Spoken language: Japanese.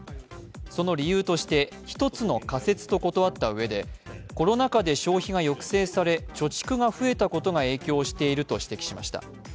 その理由として、１つの仮説と断ったうえでコロナ禍で消費が抑制され貯蓄が増えたことが影響していると指摘しました。